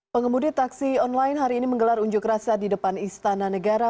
pengemudi taksi online hari ini menggelar unjuk rasa di depan istana negara